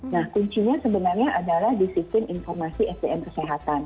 nah kuncinya sebenarnya adalah di sistem informasi sdm kesehatan